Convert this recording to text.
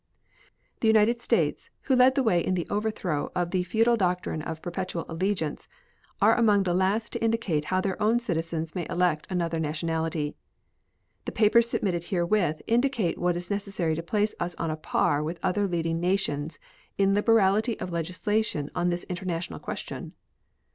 The United States, who led the way in the overthrow of the feudal doctrine of perpetual allegiance, are among the last to indicate how their own citizens may elect another nationality. The papers submitted herewith indicate what is necessary to place us on a par with other leading nations in liberality of legislation on this international question.